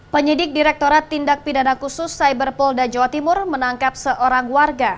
penyidik direkturat tindak pidana khusus cyber polda jawa timur menangkap seorang warga